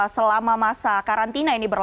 selama masa karantina ini berlaku